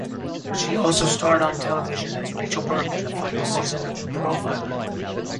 She also starred on television as Rachel Burke in the final season of "Profiler".